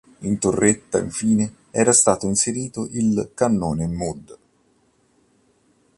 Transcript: In torretta, infine, era stato inserito il cannone Mod.